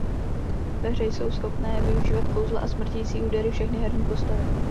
Ve hře jsou schopné využívat kouzla a smrtící údery všechny herní postavy.